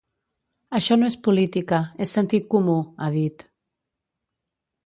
Això no és política, és sentit comú, ha dit.